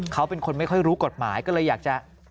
เขาเป็นคนไม่ค่อยรู้กฎหมายก็เลยอยากจะ